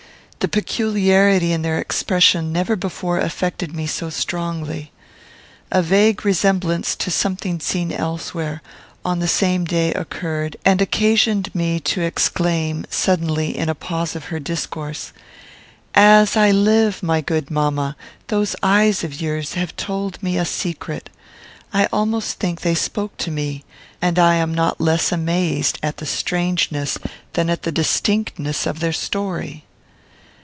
The peculiarity in their expression never before affected me so strongly. A vague resemblance to something seen elsewhere, on the same day, occurred, and occasioned me to exclaim, suddenly, in a pause of her discourse, "As I live, my good mamma, those eyes of yours have told me a secret. I almost think they spoke to me; and I am not less amazed at the strangeness than at the distinctness of their story."